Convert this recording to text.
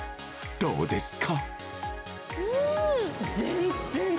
どうですか？